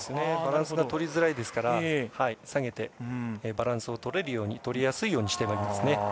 バランスが取りづらいですから下げてバランスを取りやすいようにしています。